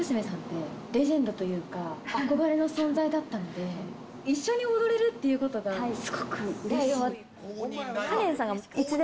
さんって、レジェンドというか、憧れの存在だったので、一緒に踊れるっていうことがすごくうれしい。